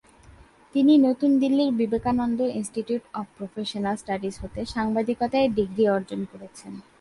তিনি নতুন দিল্লির Vivekananda institute of professional studies হতে সাংবাদিকতায় ডিগ্রি অর্জন করেছেন।